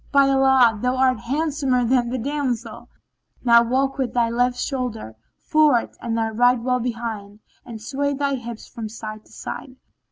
By Allah, thou art handsomer than the damsel.[FN#17] Now, walk with thy left shoulder forwards and thy right well behind, and sway thy hips from side to side."